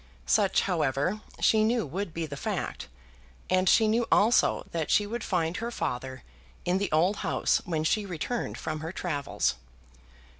Such, however, she knew would be the fact, and she knew also that she would find her father in the old house when she returned from her travels.